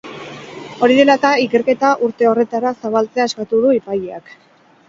Hori dela eta, ikerketa urte horretara zabaltzea eskatu du epaileak.